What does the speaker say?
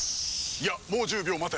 いやもう１０秒待て。